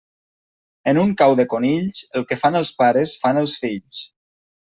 En un cau de conills, el que fan els pares fan els fills.